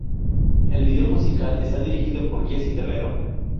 El video musical está dirigido por Jessy Terrero.